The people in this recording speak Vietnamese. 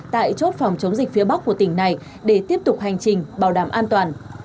tại chốt phòng chống dịch phía bắc của tỉnh này để tiếp tục hành trình bảo đảm an toàn